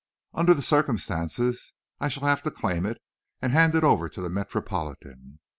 Under the circumstances, I shall have to claim it and hand it over to the Metropolitan."